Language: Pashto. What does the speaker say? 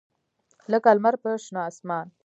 لکه لمر په شنه اسمان